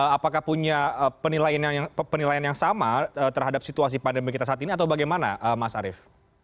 apakah punya penilaian yang sama terhadap situasi pandemi kita saat ini atau bagaimana mas arief